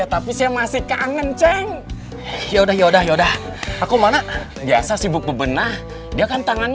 tapi saya masih kangen ceng ya udah ya udah ya udah aku mana biasa sibuk bebenah dia kan tangannya